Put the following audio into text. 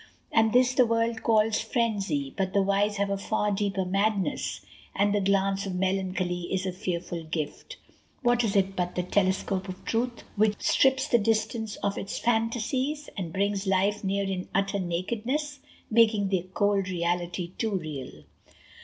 And this the world calls frenzy: but the wise Have a far deeper madness, and the glance Of melancholy is a fearful gift; What is it but the telescope of truth? Which strips the distance of its phantasies, And brings life near in utter nakedness, Making the cold reality too real!